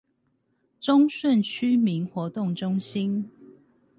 忠順區民活動中心